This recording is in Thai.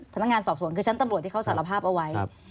พนักงานสอบสวนคือชั้นตำรวจที่เขาสารภาพเอาไว้